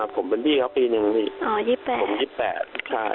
ผมเป็นพี่ครับปี๑สิ